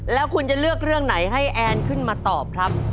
แล้วคุณจะเลือกเรื่องไหนให้แอนขึ้นมาตอบครับ